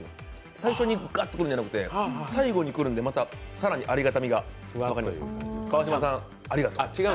最初にガッとくるんじゃなくて最後にくるんでまた更にありがたみが湧くという。